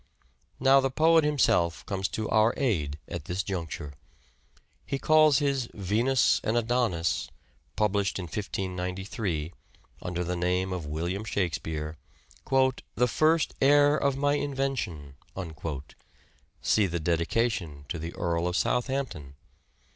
Now the poet himself comes to our aid at this juncture. He calls his " Venus and Adonis," published in 1593, under the name of William Shakespeare, " the first heir of my invention" (see the dedication to the Earl of Southampton)